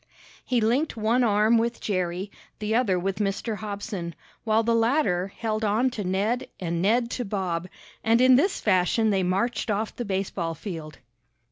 He linked one arm with Jerry, the other with Mr. Hobson, while the latter held on to Ned and Ned to Bob, and in this fashion they marched off the baseball field.